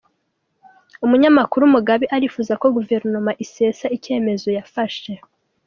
Umunyamakuru Mugabe arifuza ko Guverinoma isesa icyemezo yafashe